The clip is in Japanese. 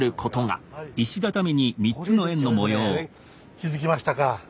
気付きましたか。